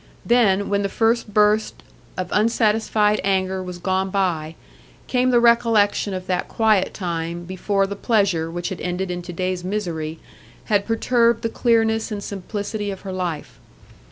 Then, when the first burst of unsatisfied anger was gone by, came the recollection of that quiet time before the pleasure which had ended in to day's misery had perturbed the clearness and simplicity of her life.